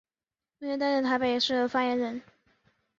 目前担任台北市政府副发言人。